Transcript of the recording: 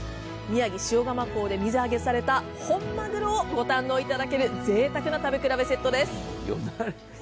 宮城・塩釜港で水揚げされた本まぐろをご堪能いただけるぜいたくな食べ比べセットです。